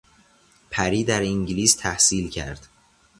پری در انگلیس تحصیل کرد.